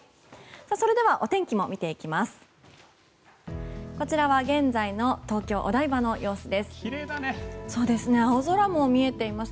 それではお天気も見ていきます。